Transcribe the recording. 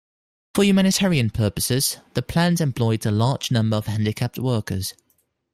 For humanitarian purposes, the plant employed a large number of handicapped workers.